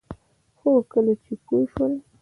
خو کله چې پوه شول